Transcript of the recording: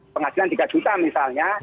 penghasilan tiga juta misalnya